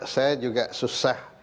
saya juga susah